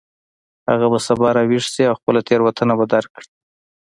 هغه به سبا راویښ شي او خپله تیروتنه به درک کړي